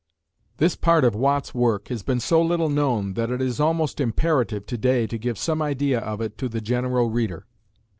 This part of Watt's work has been so little known that it is almost imperative to day to give some idea of it to the general reader.